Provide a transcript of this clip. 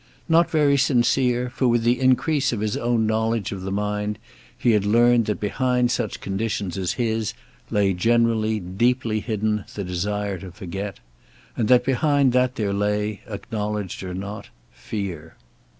Not very sincere, for with the increase of his own knowledge of the mind he had learned that behind such conditions as his lay generally, deeply hidden, the desire to forget. And that behind that there lay, acknowledged or not, fear.